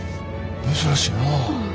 珍しいな。